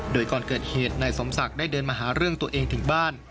โดยก่อนเกิดเหตุนายสมศักดิ์ได้เดินมาหาเรื่องตัวเองถึงบ้าน